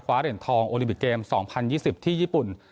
เหรียญทองโอลิปิกเกม๒๐๒๐ที่ญี่ปุ่น